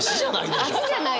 足じゃない！